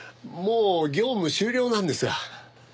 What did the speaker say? もう業務終了なんですが。